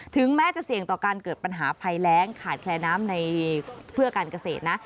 ถึงแม้จะเสี่ยงต่อการเกิดปัญหาภัยแรงขาดแคลนน้ำในเพื่อการเกษตรนะ